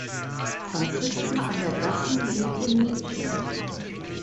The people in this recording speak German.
Franziska An der Gassen lebt in München.